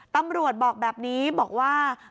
ตำรวจบอกแบบนี้บอกว่า